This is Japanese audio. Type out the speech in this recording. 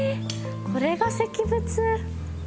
これが石仏。